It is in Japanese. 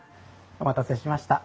お待たせしました。